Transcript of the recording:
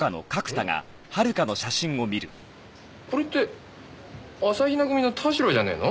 これって朝比奈組の田代じゃねえの？